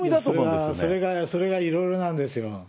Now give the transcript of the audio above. それが、いろいろなんですよ。